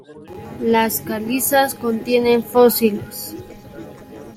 Las calizas contienen fósiles.